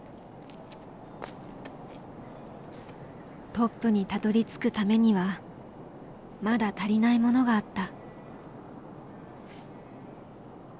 トップにたどりつくためにはまだ足りないものがあった。